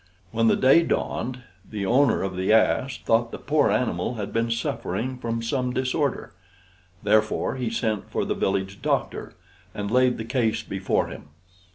When the day dawned, the owner of the ass thought the poor animal had been suffering from some disorder. Therefore he sent for the village doctor, and laid the case before him.